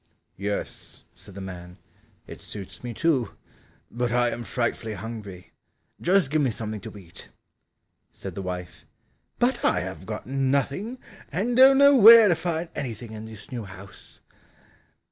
"Yes," said the man, "it suits me too, but I am frightfully hungry, just give me something to eat." Said the wife, "But I have got nothing and don't know where to find anything in this new house."